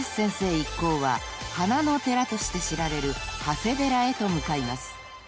一行は花の寺として知られる長谷寺へと向かいます］